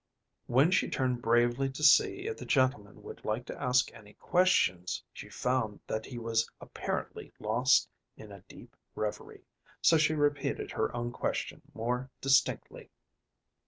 When she turned bravely to see if the gentleman would like to ask any questions, she found that he was apparently lost in a deep reverie, so she repeated her own question more distinctly.